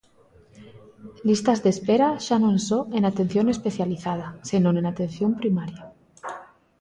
Listas de espera, xa non só en atención especializada, senón en atención primaria.